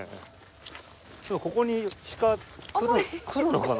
今日ここに鹿来るのかな？